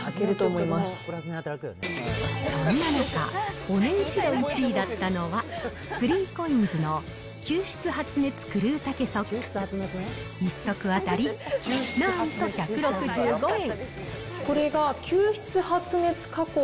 そんな中、お値打ち度１位だったのは、３コインズの、吸湿発熱クルー丈ソックス、１足当たり、これが吸湿発熱加工。